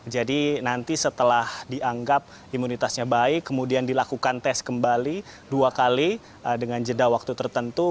jadi nanti setelah dianggap imunitasnya baik kemudian dilakukan tes kembali dua kali dengan jeda waktu tertentu